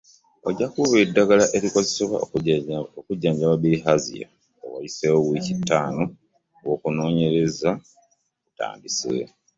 Ojja kuweebwa eddagala erikozesebwa okujjanjaba Bilihaazia nga wayiseewo wiiki ttaano ng’okunoonyereza kutandise.